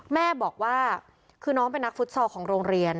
แม่บอกว่าคือน้องเป็นนักฟุตซอลของโรงเรียน